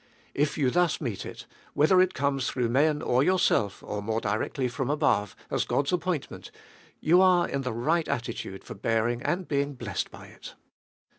If you thus meet it, whether it comes through men or yourself or more directly from above, as God's appointment, you are in the right attitude for bearing and being blessed by it.